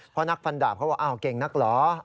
เพราะนักฟันดาบเขาบอกอ้าวเก่งนักเหรอ